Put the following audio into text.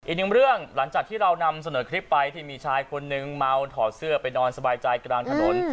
อีกหนึ่งเรื่องหลังจากที่เรานำเสนอคลิปไปที่มีชายคนนึงเมาถอดเสื้อไปนอนสบายใจกลางถนน